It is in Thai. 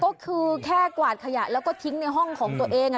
ก็คือแค่กวาดขยะแล้วก็ทิ้งในห้องของตัวเอง